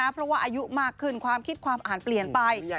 เพราะว่าอายุมากขึ้นความคิดความอ่านเปลี่ยนไป